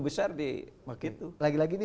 besar di begitu lagi lagi ini